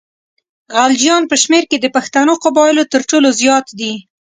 غلجیان په شمېر کې د پښتنو قبایلو تر ټولو زیات دي.